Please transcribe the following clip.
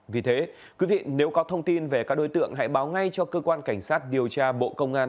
vì thế quý vị nếu có thông tin về các đối tượng hãy báo ngay cho cơ quan cảnh sát điều tra bộ công an